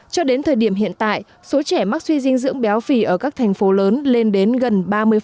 cho đến thời điểm hiện tại số trẻ mắc suy dinh dưỡng béo phì ở các thành phố lớn lên đến gần ba mươi